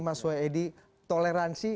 mas wedi toleransi